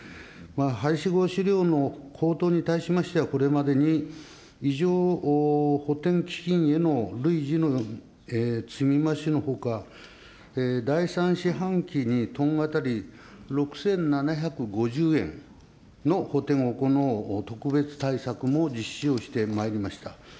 配合飼料の高騰に対しましては、これまでに異常補てん基金への累次の積み増しのほか、第３四半期にトン当たり６７５０円の補填を行う特別対策も実施をしてまいりました。